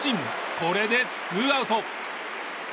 これでツーアウト。